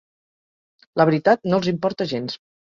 La veritat no els importa gens